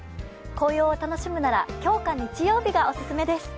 紅葉を楽しむなら、今日か日曜日がオススメです。